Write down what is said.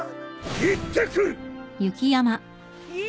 行ってくる！